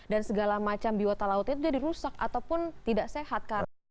dan segala macam biota lautnya itu jadi rusak ataupun tidak sehat